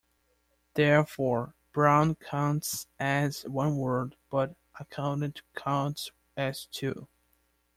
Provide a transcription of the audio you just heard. Therefore, "brown" counts as one word, but "accounted" counts as two.